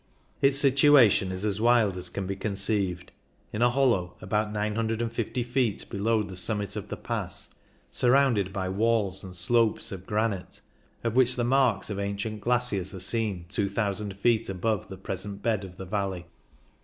Its situation is as wild as can be conceived, in a hollow, about 950 feet below the summit of the pass, surrounded by walls and slopes of granite, on which the marks of ancient glaciers are seen 2,000 feet above the present bed of the valley.